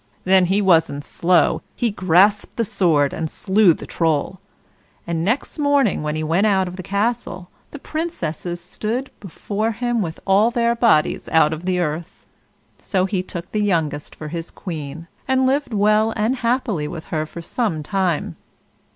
Then he wasn't slow; he grasped the sword and slew the Troll; and next morning when he went out of the castle the Princesses stood before him with all their bodies out of the earth. So he took the youngest for his Queen, and lived well and happily with her for some time.